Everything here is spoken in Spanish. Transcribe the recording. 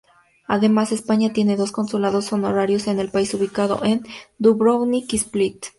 Además, España tiene dos consulados honorarios en el país ubicados en Dubrovnik y Split.